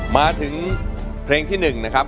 มาถึงเพลงที่หนึ่งนะครับ